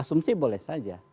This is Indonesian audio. asumsi boleh saja